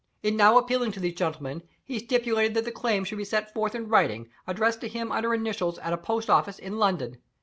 In now appealing to these gentlemen, he stipulated that the claim should be set forth in writing, addressed to him under initials at a post office in London.